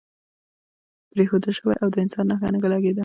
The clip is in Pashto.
پرېښوول شوی و او د انسان نښه نه لګېده.